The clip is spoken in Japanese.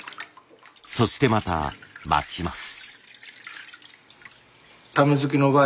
そしてまた待ちます。